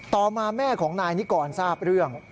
ต่อมาแม่ของนายนิกรทราบเรื่อง